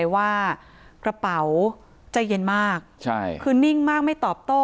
เห็นเลยว่ากระเป๋าใจเย็นมากคือนิ่งมากไม่ตอบโต